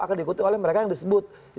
akan diikuti oleh mereka yang disebut